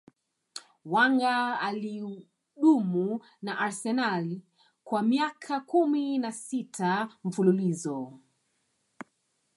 wenger alidumu na arsenal kwa miaka kumi na sita mfululizo